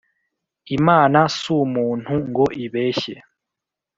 Imana s’umuntu ngo ibeshye